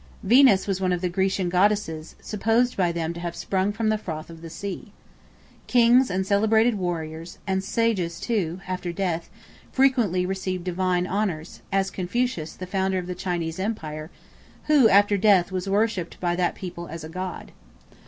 Venus was one of the Grecian goddesses, supposed by them to have sprung from the froth of the sea. Kings and celebrated warriors, and sages too, after death, frequently received divine honors; as Confucius, the founder of the Chinese empire, who, after death, was worshipped by that people as a god.